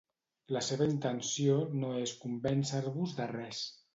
La seva intenció no és convèncer-vos de res.